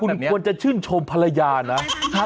คุณควรจะชื่นชมภรรยานะ